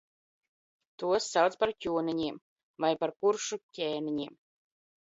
Tos sauc par ķoniņiem, vai par kuršu ķēniņiem.